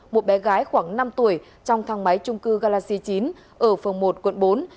một bé gái khoảng năm tuổi trong thang máy trung cư galaxy chín ở phường một quận bốn